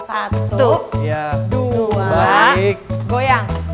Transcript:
satu dua goyang